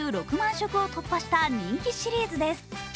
食を突破した人気シリーズです。